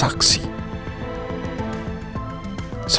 saya akan menjadi saksi yang akan meringankan posisi saya